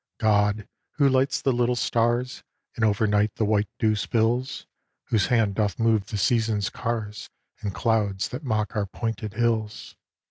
God, who lights the little stars, And over night the white dew spills. Whose hand doth move the season's cars And clouds that mock our pointed hills.